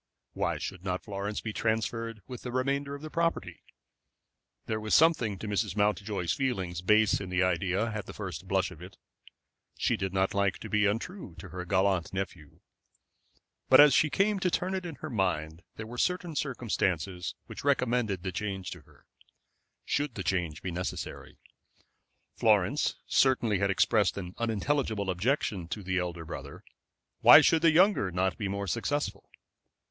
Why should not Florence be transferred with the remainder of the property? There was something to Mrs. Mountjoy's feelings base in the idea at the first blush of it. She did not like to be untrue to her gallant nephew. But as she came to turn it in her mind there were certain circumstances which recommended the change to her should the change be necessary. Florence certainly had expressed an unintelligible objection to the elder brother. Why should the younger not be more successful?